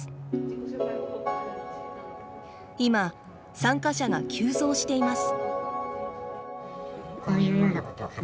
今参加者が急増しています。